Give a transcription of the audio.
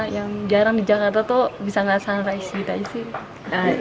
yang jarang di jakarta tuh bisa ngeliat sunrise gitu aja sih